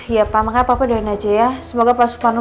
iya pak makanya papa doain aja ya semoga pak sumarno